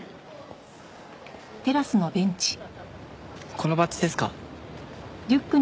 このバッジですか？